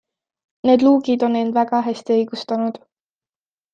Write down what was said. Need luugid on end väga hästi õigustanud.